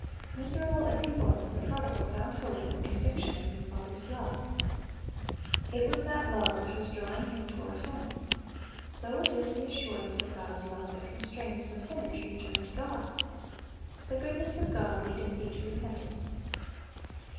Miserable as he was, the prodigal found hope in the conviction of his father's love. It was that love which was drawing him toward home. So it is the assurance of God's love that constrains the sinner to return to God. "The goodness of God leadeth thee to repentance."